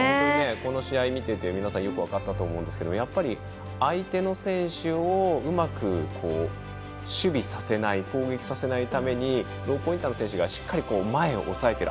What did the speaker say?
この試合見てて皆さんよく分かったと思うんですけどやっぱり、相手の選手をうまく守備させない攻撃させないためにローポインターの選手がしっかり前を押さえている。